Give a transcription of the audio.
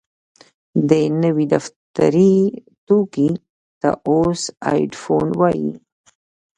دې نوي دفتري توکي ته اوس ايډيفون وايي.